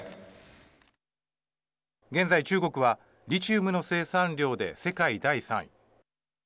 現在、中国はリチウムの生産量で世界第３位。